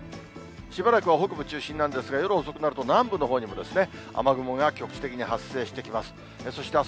しばらくは北部中心なんですけれども、夜遅くなると南部のほうにも雨雲が局地的に発生してきます。